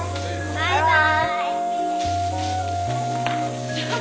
バイバイ。